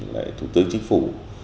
lại thủ tướng chính phủ